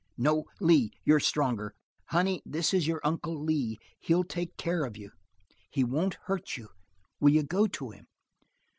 No, Lee, you're stronger. Honey, this is your Uncle Lee. He'll take care of you; he won't hurt you. Will you go to him?"